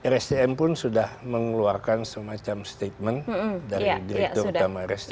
rsdm pun sudah mengeluarkan semacam statement dari direktur utama rsdm